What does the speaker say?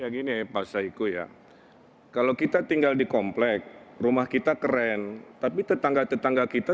gini pak saiku ya kalau kita tinggal di komplek rumah kita keren tapi tetangga tetangga kita